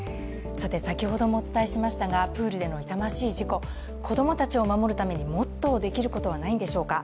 先ほどもお伝えしましたが、プールでの痛ましい事故、子供たちを守るために、もっとできることはないんでしょうか。